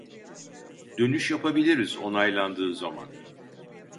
Dönüş yapabiliriz onaylandığı zaman